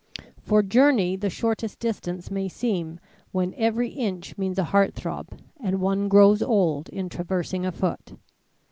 For journey the shortest distance may seem when every inch means a heart throb and one grows old in traversing a foot.